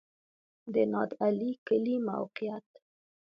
د نادعلي کلی موقعیت